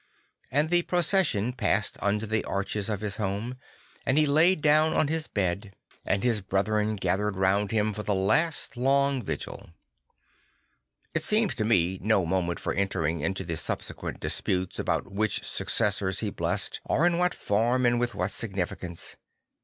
And the procession passed under the arches of his home; and he laid down on his bed and his 168 St. Francis of Assisi brethren gathered round him for the last long vigil. It seems to me no moment for entering into the subsequent disputes about which suc cessors he blessed or in what form and with what significance.